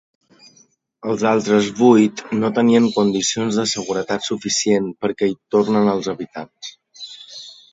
Els altres vuit no tenen condicions de seguretat suficients perquè hi tornen els habitants.